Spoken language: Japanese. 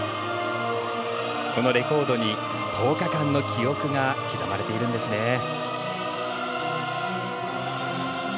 このレコードに１０日間の記憶が刻まれているんですね。